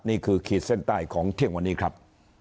ขีดเส้นใต้ของเที่ยงวันนี้ครับ